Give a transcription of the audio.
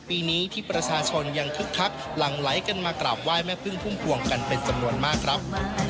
ปีนี้ที่ประชาชนยังคึกคักหลังไหลกันมากราบไหว้แม่พึ่งพุ่มพวงกันเป็นจำนวนมากครับ